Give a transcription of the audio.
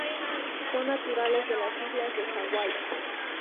Son naturales de las Islas de Hawái.